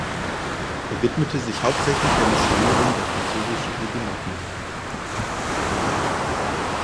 Er widmete sich hauptsächlich der Missionierung der französischen Hugenotten.